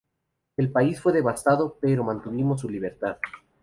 El país fue devastado, pero mantuvo su libertad.